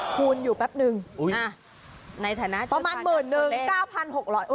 คูณอยู่แป๊บนึงประมาณ๑๑๐๐๐บาท๙๖๐๐บาทเออ๑๑๐๐๐บาท